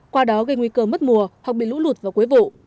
qua đó gây nguy cơ mất mùa hoặc bị lũ lụt vào cuối vụ